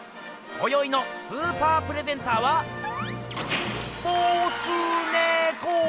こよいのスーパープレゼンターはボスネコー！